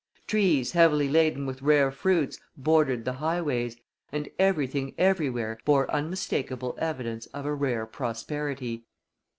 Trees heavily laden with rare fruits bordered the highways, and everything everywhere bore unmistakable evidences of a rare prosperity.